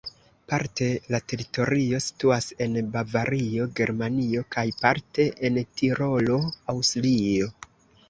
Parte la teritorio situas en Bavario, Germanio kaj parte en Tirolo, Aŭstrio.